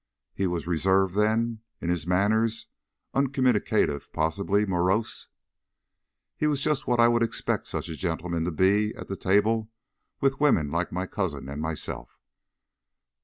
"He was reserved, then, in his manners, uncommunicative, possibly morose?" "He was just what I would expect such a gentleman to be at the table with women like my cousin and myself."